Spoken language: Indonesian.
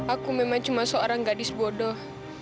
aku memang cuma seorang gadis bodoh